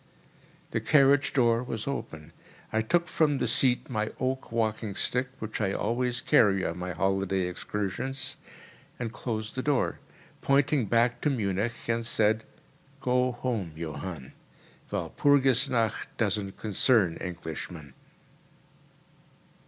The carriage door was open. I took from the seat my oak walking stick—which I always carry on my holiday excursions—and closed the door, pointing back to Munich, and said, "Go home, Johann—Walpurgis nacht doesn't concern Englishmen."